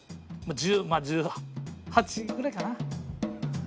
まあ１０８ぐらいかな。